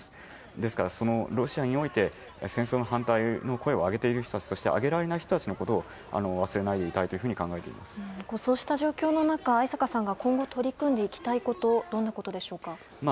ですから、ロシアにおいて戦争の反対に声を上げている人たち上げられない人たちのことを忘れないでいただきたいとそうした状況の中逢坂さんが今後取り組んでいきたいことはどんなことでしょうか。